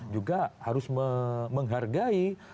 juga harus menghargai